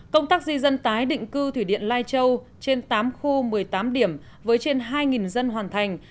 công tác di dân tái định cư thủy điện lai châu trên tám khu một mươi tám điểm với trên hai dân hoàn thành